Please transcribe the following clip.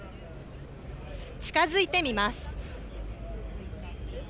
近づいてみます。